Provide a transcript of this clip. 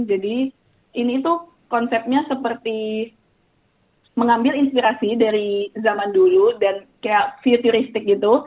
jadi ini tuh konsepnya seperti mengambil inspirasi dari zaman dulu dan kayak futuristik gitu